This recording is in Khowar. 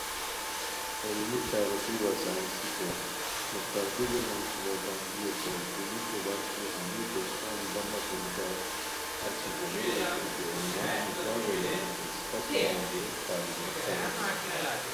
علمی، تاریخی وا سائسنی پوسٹ: مستقبلو منصوبہ بندیو پوسٹ (دونیکو بݰ لُو ہمی پوسٹان جمع کوریکار اچی ہیہ اوشوئے کی عموماً ݯھترارو رویانتین اسپہ صوبا زیاد تعلیم یافتہ رینی)